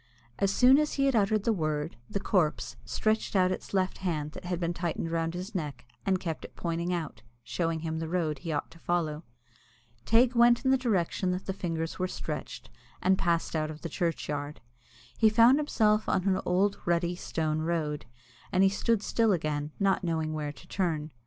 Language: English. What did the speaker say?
As soon as he had uttered the word, the corpse stretched out suddenly its left hand that had been tightened round his neck, and kept it pointing out, showing him the road he ought to follow. Teig went in the direction that the fingers were stretched, and passed out of the churchyard. He found himself on an old rutty, stony road, and he stood still again, not knowing where to turn.